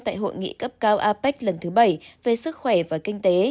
tại hội nghị cấp cao apec lần thứ bảy về sức khỏe và kinh tế